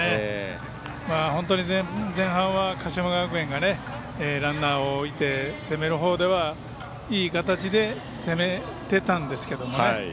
本当に前半は、鹿島学園がランナーを置いて攻めるほうではいい形で攻めていたんですけどね。